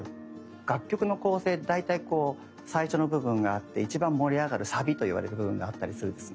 楽曲の構成って大体こう最初の部分があって一番盛り上がるサビと言われる部分があったりするんですね。